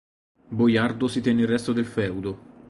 Boiardo si tenne il resto del feudo.